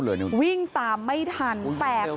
เจ้าแม่น้ำเจ้าแม่น้ำ